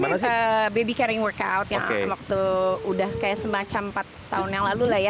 ini baby carring workout yang waktu udah kayak semacam empat tahun yang lalu lah ya